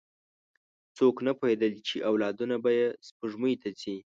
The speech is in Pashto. څوک نه پوهېدل، چې اولادونه به یې سپوږمۍ ته ځي.